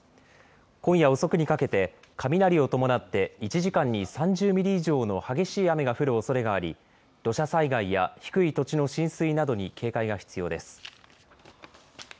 今夜遅くにかけて雷を伴って１時間に３０ミリ以上の激しい雨が降るおそれがあり土砂災害や低い土地の浸水などに警戒が必要です。